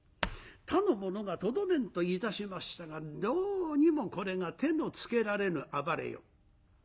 他の者がとどめんといたしましたがどうにもこれが手のつけられぬ暴れよう。